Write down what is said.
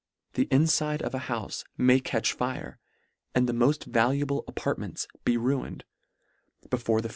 The infide of a houfe may catch fire, and the mofr. valuable apartments be ruined, before the flames (g) 12 Car.